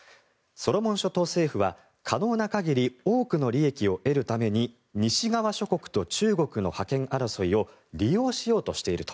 ソロモン諸島政府は、可能な限り多くの利益を得るために西側諸国と中国の覇権争いを利用しようとしていると。